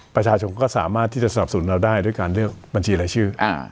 ประชาชนก็สามารถที่จะสนับสนุนเราได้ด้วยการเลือกบัญชีรายชื่อ